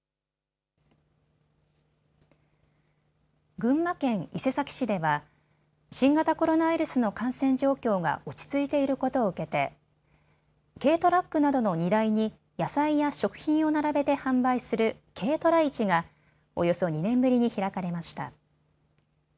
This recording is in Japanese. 群馬県伊勢崎市では新型コロナウイルスの感染状況が落ち着いていることを受けて軽トラックなどの荷台に野菜や食品を並べて販売する軽トラ市がおよそ２年ぶりに開かれました。